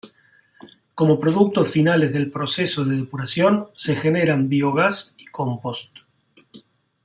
Como productos finales del proceso de depuración se generan biogás y compost.